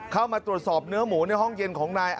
เข้ามาตรวจสอบเนื้อหมูในห้องเย็นของนาย